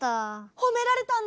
ほめられたんだ！